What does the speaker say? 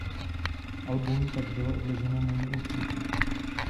Album tak bylo odloženo na neurčito.